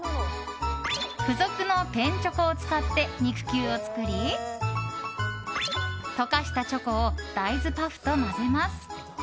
付属のペンチョコを使って肉球を作り溶かしたチョコを大豆パフと混ぜます。